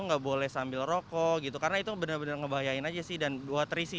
nggak boleh sambil rokok gitu karena itu benar benar ngebahayain aja sih dan buat terisi